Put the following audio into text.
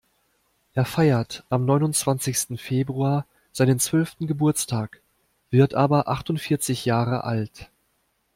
Er feiert am neunundzwanzigsten Februar seinen zwölften Geburtstag, wird aber achtundvierzig Jahre alt.